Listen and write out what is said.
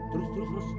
terus terus terus